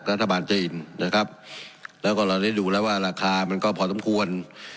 รัฐบาลจีนนะครับแล้วก็เราได้ดูแล้วว่าราคามันก็พอสมควร